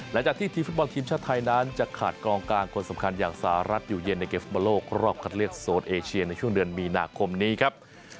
หลังจากที่ทีมฟุตบอลทีมชาติไทยนั้นจะขาดกองกลางคนสำคัญอย่างสหรัฐอยู่เย็นในเกมฟุตบอลโลกรอบคัดเลือกโซนเอเชียในช่วงเดือนมีนาคมนี้ครับ